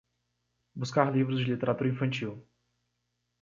Buscar livros de literatura infantil